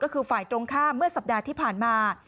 ก็คือฝ่ายตรงข้ามเมื่อสัปดาห์ที่ผ่านมา